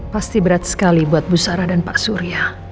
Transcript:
pasti berat sekali buat bu sarah dan pak surya